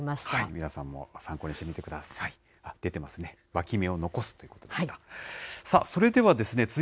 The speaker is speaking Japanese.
皆さんも参考にしてみてください。